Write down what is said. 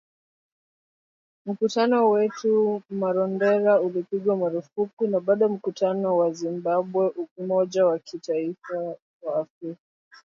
Mkutano wetu huko Marondera ulipigwa marufuku na bado mkutano wa Zimbabwe Umoja wa Kitaifa wa Afrika.